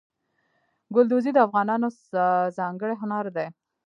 ګلدوزي د افغانانو ځانګړی هنر دی.